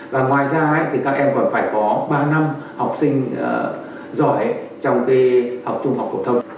và ngoài ra thì các em còn phải có ba năm học sinh giỏi trong cái trung học phổ thông